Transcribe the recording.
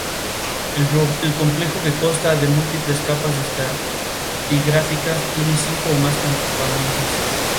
El complejo, que consta de múltiples capas estratigráficas, tiene cinco o más campamentos.